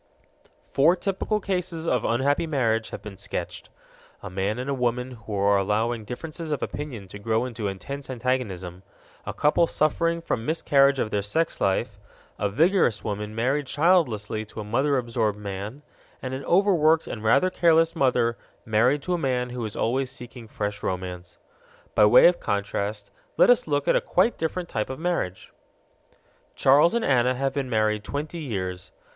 Four typical cases of unhappy marriage have been sketched: a man and woman who are allowing differences of opinion to grow into intense antagonism, a couple suffering from miscarriage of their sex life, a vigorous woman married childlessly to a mother absorbed man, and an overworked and rather careless mother married to a man who is always seeking fresh romance. By way of contrast let us look at a quite different type of marriage. Charles and Anna have been married twenty years.